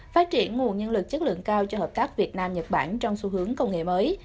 phát triển nguồn nhân lực chất lượng cao cho hợp tác việt nam nhật bản trong xu hướng công nghệ mới